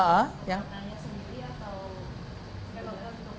yang mas kunjungkan itu